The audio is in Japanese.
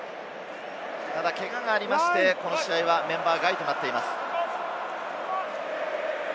ただ、けががありまして、この試合はメンバー外となっています。